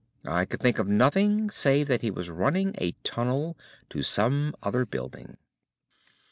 I could think of nothing save that he was running a tunnel to some other building.